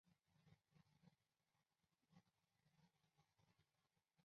该镇由原梅县区雁洋镇和原梅县区三乡镇合并而成。